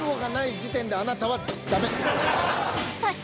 そして。